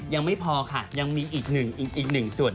ยังไม่พอค่ะยังมีอีกหนึ่งอีกหนึ่งส่วน